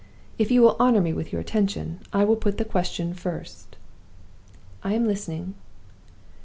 If you will honor me with your attention, I will put the question first." "I am listening."